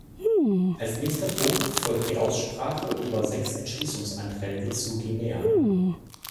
Als nächster Punkt folgt die Aussprache über sechs Entschließungsanträge zu Guinea.